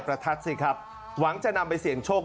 ประทัดสิครับหวังจะนำไปเสี่ยงโชค